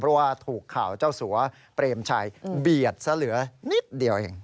เพราะว่าถูกข่าวเจ้าสัวเปรมชัยเบียดซะเหลือนิดเดียวเอง